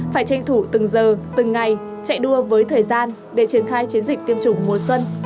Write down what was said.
phải tranh thủ từng giờ từng ngày chạy đua với thời gian để triển khai chiến dịch tiêm chủng mùa xuân